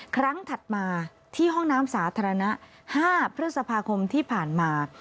ถัดมาที่ห้องน้ำสาธารณะ๕พฤษภาคมที่ผ่านมา